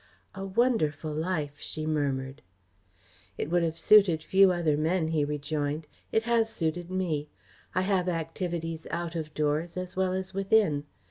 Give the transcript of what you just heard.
"A wonderful life!" she murmured. "It would have suited few other men," he rejoined. "It has suited me. I have activities out of doors as well as within.